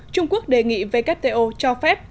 trung quốc đề nghị vkto cho phép